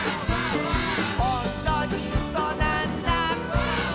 「ほんとにうそなんだ」